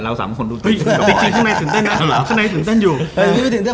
เราสามคนดูตื่นเต้นจริงจริงใช่ไหมตื่นเต้นตื่นเต้นอยู่ตื่นเต้นตื่นเต้น